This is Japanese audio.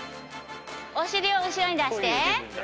お尻を後ろに出して。